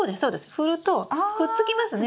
振るとくっつきますね。